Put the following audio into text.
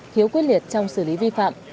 khiếu quyết liệt trong xử lý vi phạm